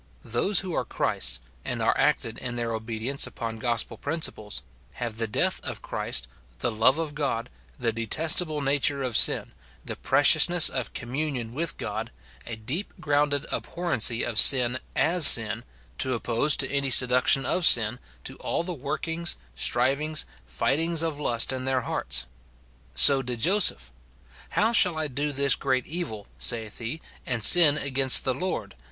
Those who are Christ's, and are acted in their obedience upon gospel principles, have the death of Christ, the love of God, the detestable nature of sin, the preciousness of communion with God, a deep grounded abhorrency of sin as sin, to oppose to any seduction of sin, to all the workings, strivings, fightings of lust in their hearts. So did Joseph. " How shall I do this great evil," saith he, " and sin against the Lord